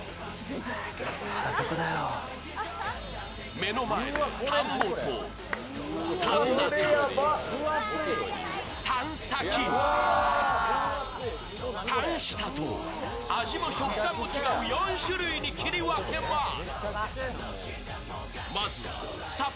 目の前でタン元、タン中、タン先、タン下と味も食感も違う４種類に切り分けます。